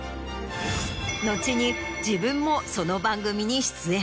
後に自分もその番組に出演。